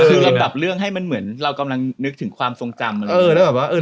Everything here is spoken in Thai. คือลำดับเรื่องให้มันเหมือนเรากำลังนึกถึงความทรงจำอะไรอย่างนี้